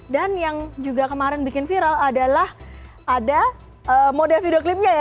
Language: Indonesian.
dan yang juga kemarin bikin viral adalah ada mode videoclipnya ya